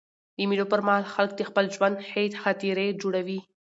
د مېلو پر مهال خلک د خپل ژوند ښې خاطرې جوړوي.